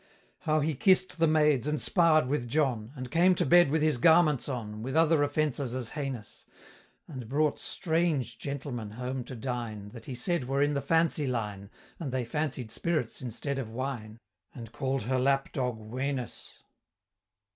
How he kiss'd the maids, and sparr'd with John; And came to bed with his garments on; With other offences as heinous And brought strange gentlemen home to dine That he said were in the Fancy Line, And they fancied spirits instead of wine, And call'd her lap dog "Wenus."